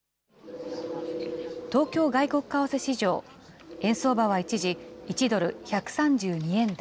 東京外国為替市場、円相場は一時、１ドル１３２円台。